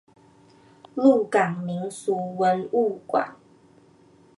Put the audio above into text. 鹿港民俗文物館